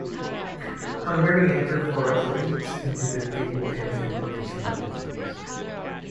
Hungary entered four athletes into the table tennis competition at the games.